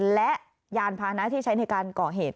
และยานพานะที่ใช้ในการก่อเหตุ